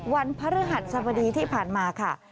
วันพระฤหัสสบดีที่ผ่านมาค่ะ